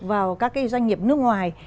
vào các cái doanh nghiệp nước ngoài